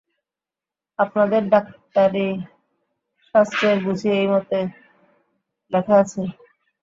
আপনাদের ডাক্তারিশাসেত্র বুঝি এইমতো লেখা আছে।